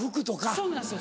そうなんですよ。